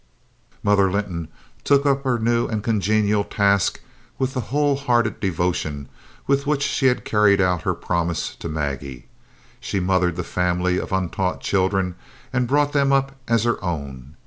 Mother Linton took up her new and congenial task with the whole hearted devotion with which she had carried out her promise to Maggie. She mothered the family of untaught children and brought them up as her own.